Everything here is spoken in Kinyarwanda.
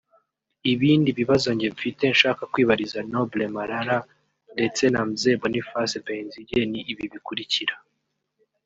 Ibindi bibazo njye mfite nshaka kwibariza Noble Marara ndetse na Mzee Boniface Benzige ni ibi bikurikira